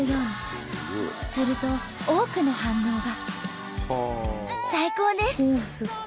すると多くの反応が。